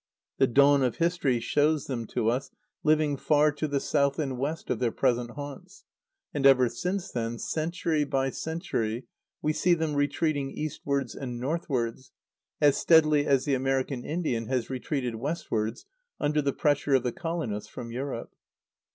The dawn of history shows them to us living far to the south and west of their present haunts; and ever since then, century by century, we see them retreating eastwards and northwards, as steadily as the American Indian has retreated westwards under the pressure of the colonists from Europe."